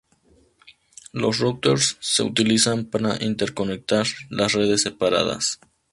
Los routers se utilizan para interconectar las redes separadas.